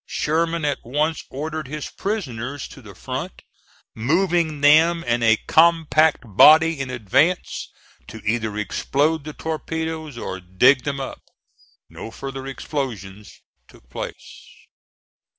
Sherman at once ordered his prisoners to the front, moving them in a compact body in advance, to either explode the torpedoes or dig them up. No further explosion took place.